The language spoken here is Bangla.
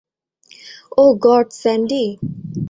Oh God, Sandy.